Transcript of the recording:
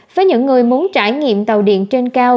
với những người muốn trải nghiệm tàu điện trên cao